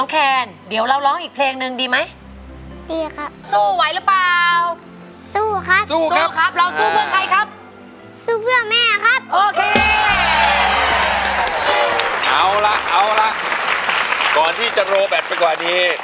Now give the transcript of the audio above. ก่อนที่จะโรแบตไปกว่านี้